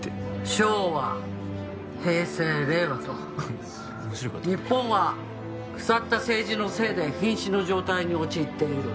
「昭和平成令和と日本は腐った政治のせいで瀕死の状態に陥っている」